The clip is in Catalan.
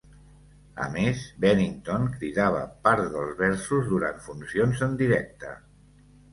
A més, Bennington cridava parts dels versos durant funcions en directe.